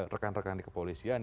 rekan rekan di kepolisian